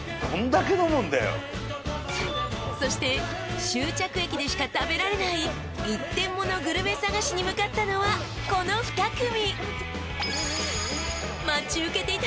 ［そして終着駅でしか食べられない一点モノグルメ探しに向かったのはこの二組］